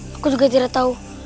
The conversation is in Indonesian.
aku juga tidak tahu